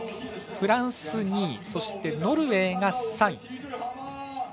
フランス２位、ノルウェー３位。